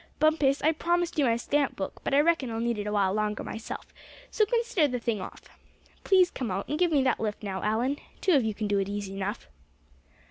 Bumpus, I promised you my stamp book; but I reckon I'll need it a while longer myself, so consider the thing off. Please come out, and give me that lift now, Allan. Two of you can do it easy enough."